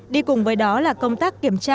đi cùng với đó là công tác kiểm tra